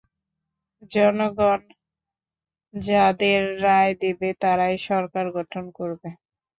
জনগণ যাদের রায় দেবে, তারাই সরকার গঠন করবে।